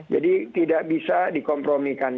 jadi tidak bisa dikompromikan